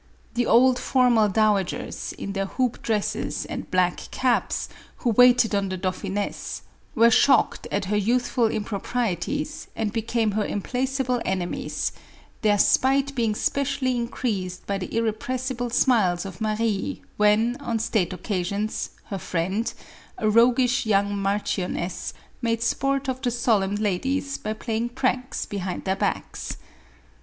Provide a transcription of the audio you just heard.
The old, formal dowagers, in their hoop dresses and black caps, who waited on the dauphiness, were shocked at her youthful impro prieties, and became her implacable enemies, their spite being specially increased by the irrepressible smiles of Marie when, on state occasions, her friend — a roguish young marchioness — made sport of the solemn ladies by playing pranks behind their backs.